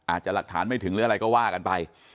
อาจจะหลักฐานไม่ถึงหรืออะไรก็ว่ากันไป